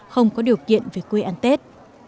không có điều kiện về quê ăn tết